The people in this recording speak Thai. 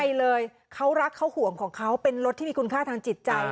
ไปเลยเขารักเขาห่วงของเขาเป็นรถที่มีคุณค่าทางจิตใจ